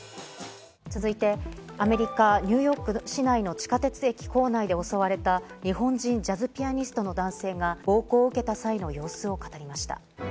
続いてアメリカ・ニューヨーク市内の駅構内で襲われた日本人ジャズピアニストの男性が暴行を受けた際の様子を語りました。